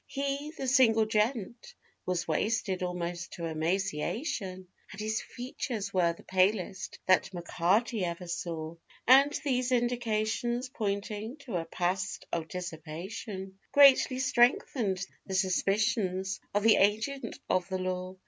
He (the single gent) was wasted almost to emaciation, And his features were the palest that M'Carty ever saw, And these indications, pointing to a past of dissipation, Greatly strengthened the suspicions of the agent of the law.